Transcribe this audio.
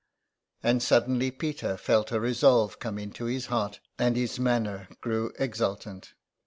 And suddenly Peter felt a resolve come into his heart, and his manner grew exultant.